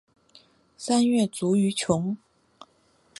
三月卒于琼。